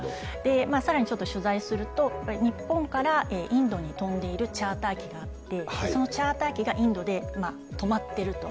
さらにちょっと取材すると、やっぱり日本からインドに飛んでいるチャーター機があって、そのチャーター機がインドで止まってると。